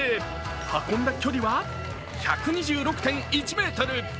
運んだ距離は１２６．１ｍ。